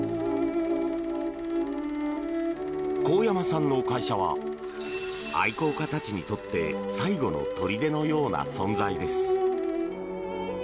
神山さんの会社は愛好家たちにとって最後の砦のような存在です。